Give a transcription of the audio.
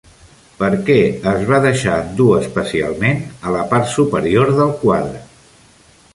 Per què es va deixar endur especialment a la part superior del quadre?